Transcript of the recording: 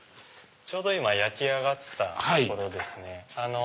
ちょうど今焼き上がったところですね。